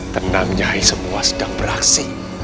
tenangnya semua sedang beraksi